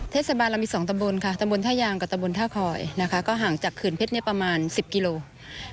เทศบาลเรามี๒ตำบลค่ะตำบลท่ายางกับตำบลท่าคอยนะคะก็ห่างจากเขื่อนเพชรประมาณ๑๐กิโลกรัม